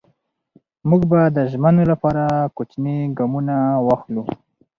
موږ به د ژمنو لپاره کوچني ګامونه واخلو.